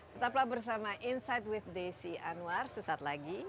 tetaplah bersama insight with desi anwar sesaat lagi